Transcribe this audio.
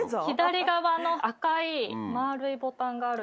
左側の赤い丸いボタンが。